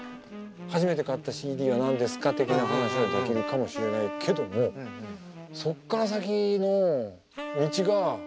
初めて買ったＣＤは何ですか的な話はできるかもしれないけどもそっから先の道が違うじゃない？